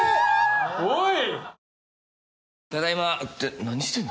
おい！